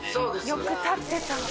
よく立ってたな。